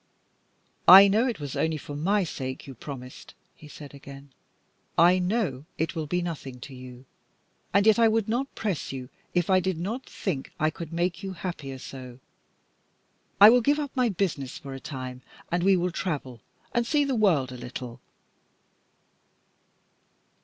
"I know it was only for my sake you promised," he said again. "I know it will be nothing to you, and yet I would not press you if I did not think I could make you happier so. I will give up my business for a time, and we will travel and see the world a little."